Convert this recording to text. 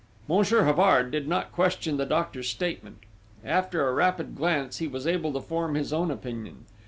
Monsieur Havard did not question the doctor's statement. After a rapid glance he was able to form his own opinion.